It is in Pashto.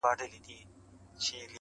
عبدالباري جهاني: د مولوي له مثنوي څخه!!